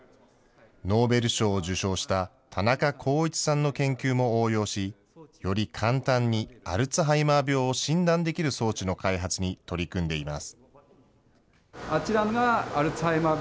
ノーベル賞を受賞した田中耕一さんの研究も応用し、より簡単にアルツハイマー病を診断できる装置の開発に取り組んでいます。